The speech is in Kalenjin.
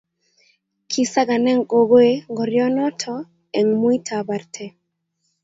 kisakane gogoe ngorionoto eng' muitab arte